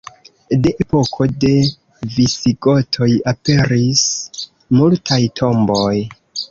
De epoko de visigotoj aperis multaj tomboj.